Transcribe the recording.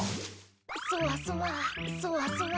そわそわそわそわ。